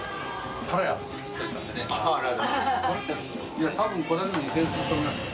いや多分これだけで２０００円すると思いますよ。